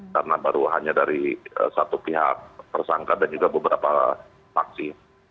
karena baru hanya dari satu pihak tersangka dan juga beberapa paksi